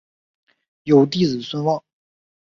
有弟子孙望。